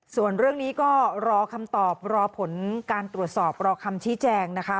ส่วนเรื่องนี้ก็รอคำตอบรอผลการตรวจสอบรอคำชี้แจงนะคะ